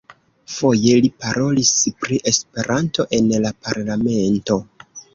Foje li parolis pri Esperanto en la parlamento.